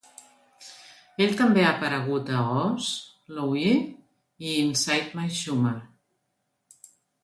Ell també ha aparegut a "Oz, "Louie" i "Inside my Schumer".